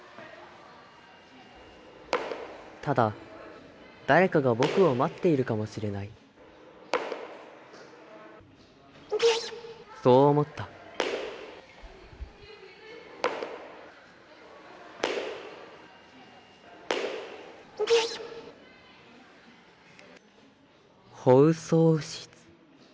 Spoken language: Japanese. ただ誰かが僕を待っているかもしれないそう思った「放送室」。